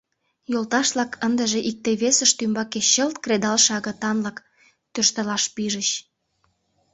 Йолташ-влак ындыже икте-весышт ӱмбаке чылт кредалше агытанлак тӧрштылаш пижыч.